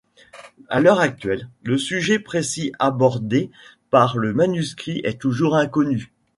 À l'heure actuelle, le sujet précis abordé par le manuscrit est toujours inconnu.